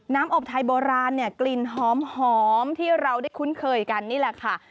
อบไทยโบราณเนี่ยกลิ่นหอมที่เราได้คุ้นเคยกันนี่แหละค่ะ